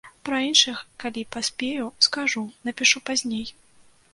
Пра іншых, калі паспею, скажу, напішу пазней.